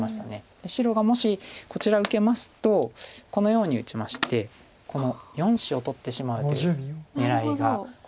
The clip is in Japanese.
白がもしこちら受けますとこのように打ちましてこの４子を取ってしまうという狙いが。